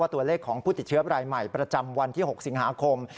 ตัวเลขของผู้ติดเชื้อรายใหม่ประจำวันที่๖สิงหาคม